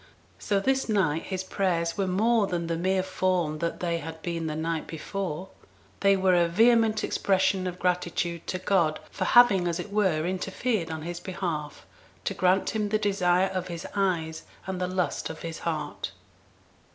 So this night his prayers were more than the mere form that they had been the night before; they were a vehement expression of gratitude to God for having, as it were, interfered on his behalf, to grant him the desire of his eyes and the lust of his heart.